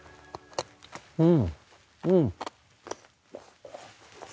うんうん。